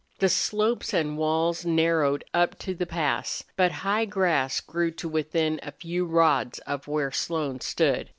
The slopes and walls narrowed up to the pass, but high grass grew to within a few rods of where Slone stood.